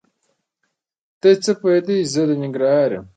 دی څه پوهېده زه د ننګرهار یم؟!